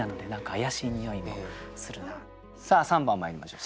さあ３番まいりましょう。